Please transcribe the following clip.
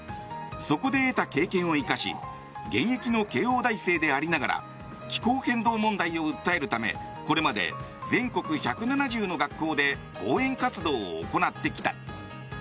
そこで得た経験を生かし現役の慶應大生でありながら気候変動問題を訴えるためこれまで全国１７０の学校で講演活動を行ってきた。